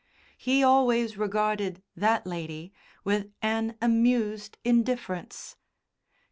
He always regarded that lady with an amused indifference.